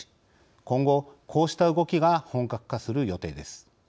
今後こうした動きが本格化する予定です。